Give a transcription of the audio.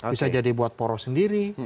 bisa jadi buat poros sendiri